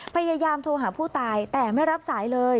พยายามโทรหาผู้ตายแต่ไม่รับสายเลย